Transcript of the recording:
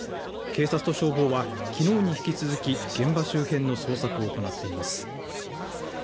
警察と消防はきのうに引き続き現場周辺の捜索を行っています。